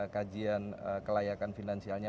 kajian kelayakan finansialnya